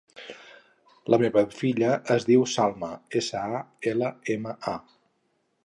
La meva filla es diu Salma: essa, a, ela, ema, a.